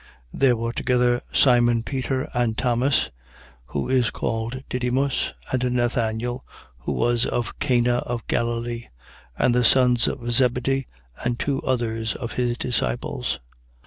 21:2. There were together: Simon Peter and Thomas, who is called Didymus, and Nathanael, who was of Cana of Galilee, and the sons of Zebedee and two others of his disciples.